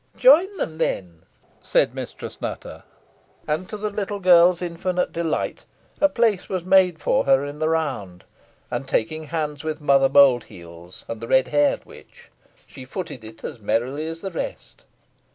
"Join them, then," said Mistress Nutter. And to the little girl's infinite delight a place was made for her in the round, and, taking hands with Mother Mould heels and the red haired witch, she footed it as merrily as the rest.